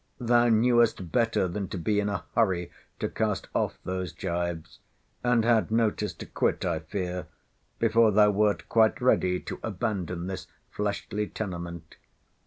Thou knewest better than to be in a hurry to cast off those gyves; and had notice to quit, I fear, before thou wert quite ready to abandon this fleshly tenement.